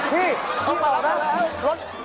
พี่เขามารับมาแล้ว